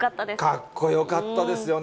かっこよかったですよね。